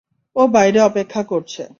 ও বাইরে অপেক্ষা করছে।